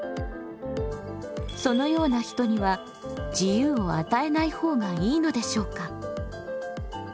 そのような人には自由を与えない方がいいのでしょうか？